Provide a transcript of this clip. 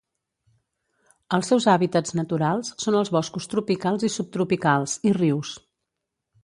Els seus hàbitats naturals són els boscos tropicals i subtropicals, i rius.